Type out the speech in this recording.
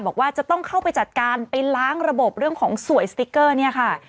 บอกว่าจะต้องเข้าไปจัดการไปล้างระบบเรื่องของสวยสติ๊กเกอร์เนี่ยค่ะ